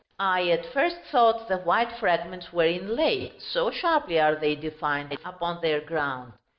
I at first thought the white fragments were inlaid, so sharply are they defined upon their ground.